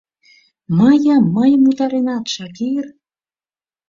Мыйым мыйым утаренат, Шакир!